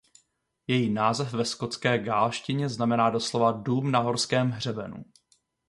Její název ve skotské gaelštině znamená doslova "Dům na horském hřebenu".